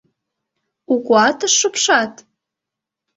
— «У куатыш» шупшат?